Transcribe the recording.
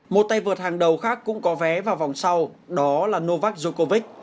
một tay vượt hàng đầu khác cũng có vé vào vòng sau đó là novak djokovic